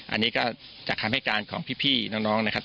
อันนี้ก็จากคำให้การของพี่น้องนะครับ